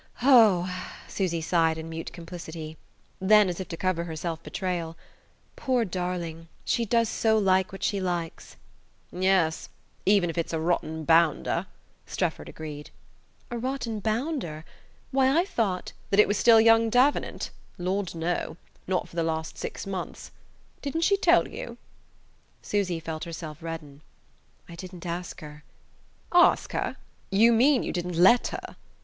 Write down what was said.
"Oh," Susy sighed in mute complicity; then, as if to cover her self betrayal: "Poor darling, she does so like what she likes!" "Yes even if it's a rotten bounder," Strefford agreed. "A rotten bounder? Why, I thought " "That it was still young Davenant? Lord, no not for the last six months. Didn't she tell you ?" Susy felt herself redden. "I didn't ask her " "Ask her? You mean you didn't let her!"